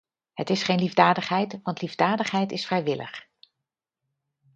Het is geen liefdadigheid, want liefdadigheid is vrijwillig.